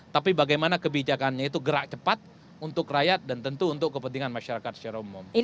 tapi bagaimana kebijakannya itu gerak cepat untuk rakyat dan tentu untuk kepentingan masyarakat secara umum